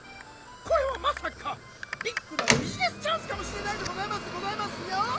これはまさかビックなビジネスチャンスかもしれないでございますでございますよ！